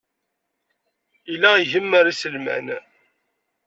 Yella igemmer iselman.